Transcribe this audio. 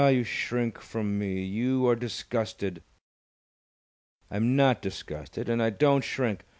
you shrink from me! You are disgusted!" "I'm not disgusted! And I don't shrink!